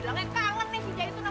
lala nggak boleh sedih